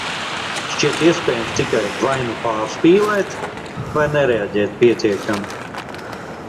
Šķiet, iespējams tikai vai nu pārspīlēt, vai nereaģēt pietiekami.